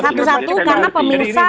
satu satu karena pemirsa